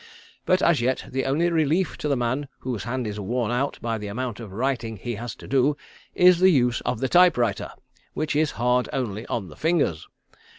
But as yet the only relief to the man whose hand is worn out by the amount of writing he has to do is the use of the type writer, which is hard only on the fingers.